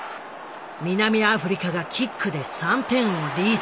南アフリカがキックで３点をリード。